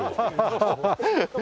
ハハハハ！